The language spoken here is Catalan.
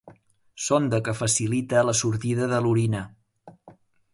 Sonda que facilita la sortida de l'orina.